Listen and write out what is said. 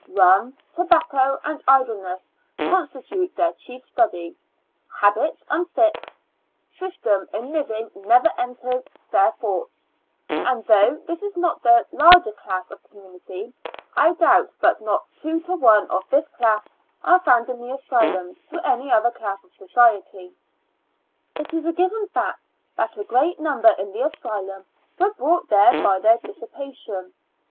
Rum, tobacco and idleness. 106 Two Years and Four Months constitute their chief study; habits unfixed; system in living never enters their thoughts; and thouo;h this is not the laro^er class of community, I doubt not but two to one of this class are found in the asylum to any other class of society. It is a given fact that a great number in the as^dum were brought there by their diissipation.